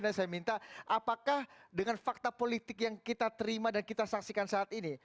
dan saya minta apakah dengan fakta politik yang kita terima dan kita saksikan saat ini